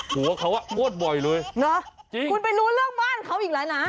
หัวเขาอ่ะงวดบ่อยเลยนะจริงคุณไปรู้เรื่องบ้านเขาอีกแล้วนะ